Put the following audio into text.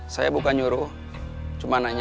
saya bukan nyuruh cuma nanya